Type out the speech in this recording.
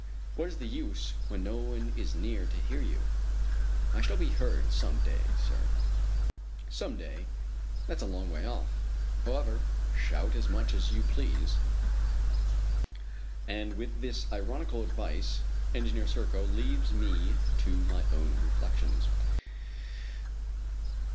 "What is the use when no one is near to hear you?" "I shall be heard some day, sir." "Some day that's a long way off. However, shout as much as you please." And with this ironical advice, Engineer Serko leaves me to my own reflections.